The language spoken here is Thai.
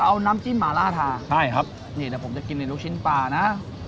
เอาน้ำจิ้มหมาล่าทาใช่ครับนี่เดี๋ยวผมจะกินในลูกชิ้นปลานะ